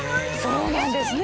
そうなんですね。